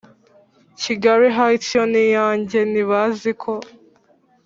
kigali heights yo niyanjye ntibaziko